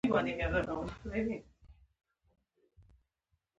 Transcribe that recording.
هغه له هغه سره د يو ساعته خصوصي خبرو لپاره ځای جوړ کړی و.